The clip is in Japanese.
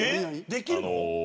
できるの？